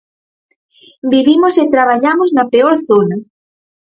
Vivimos e traballamos na peor zona.